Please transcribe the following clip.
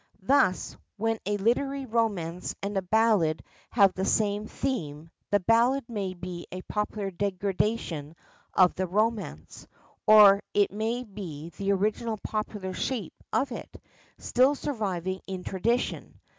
Thus, when a literary romance and a ballad have the same theme, the ballad may be a popular degradation of the romance; or, it may be the original popular shape of it, still surviving in tradition.